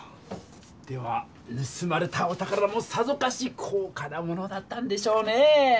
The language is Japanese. ではぬすまれたお宝もさぞかし高価なものだったんでしょうね！